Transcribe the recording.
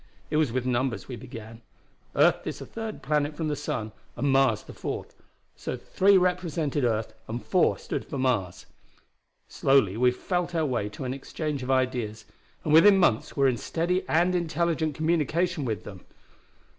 It was with numbers we began. Earth is the third planet from the sun and Mars the fourth, so three represented earth and four stood for Mars. Slowly we felt our way to an exchange of ideas, and within months were in steady and intelligent communication with them.